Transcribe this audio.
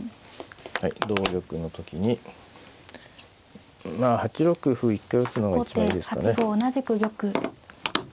はい同玉の時にまあ８六歩一回打つのが一番いいですかね。